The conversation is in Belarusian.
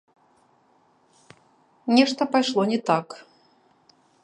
Нешта пайшло не так.